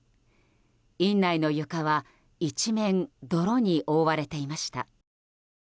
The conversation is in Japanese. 院内の床は一面、泥に覆われていました。